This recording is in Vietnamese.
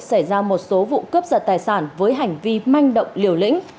xảy ra một số vụ cướp giật tài sản với hành vi manh động liều lĩnh